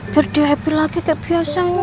biar dia happy lagi kayak biasanya